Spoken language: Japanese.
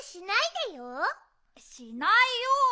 しないよ。